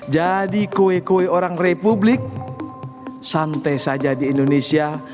jadi koe koe orang republik santai saja di indonesia